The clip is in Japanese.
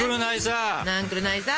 なんくるないさ。